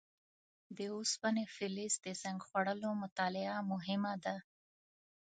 د اوسپنې فلز د زنګ خوړلو مطالعه مهمه ده.